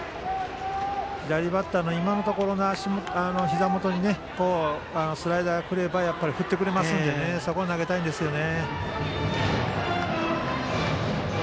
左バッターの足元に今のところ、スライダーが来れば振ってくれますのでそこへ投げたいんですよね。